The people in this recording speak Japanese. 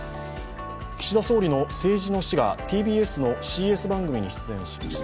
岸田総理の政治の師がＴＢＳのＣＳ番組に出演しました。